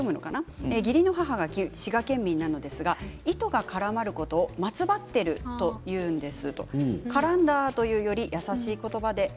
義理の母が滋賀県民なのですが糸が絡まることをまつばっていると言うんです。